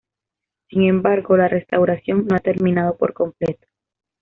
Sin embargo, la restauración no ha terminado por completo.